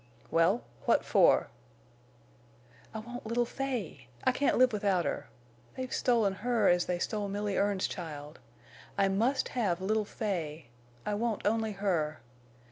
"Well—what for?" "I want little Fay. I can't live without her. They've stolen her as they stole Milly Erne's child. I must have little Fay. I want only her.